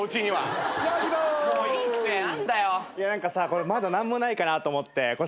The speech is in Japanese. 何かさまだ何もないかなと思って。